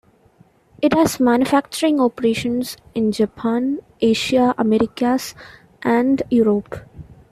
It has manufacturing operations in Japan, Asia, Americas and Europe.